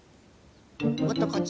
もっとこっち。